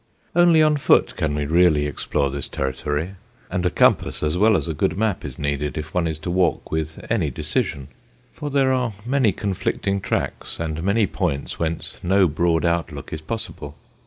Only on foot can we really explore this territory; and a compass as well as a good map is needed if one is to walk with any decision, for there are many conflicting tracks, and many points whence no broad outlook is possible.